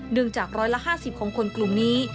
เนื่องจากร้อยละ๕๐ของคนกลุ่มนี้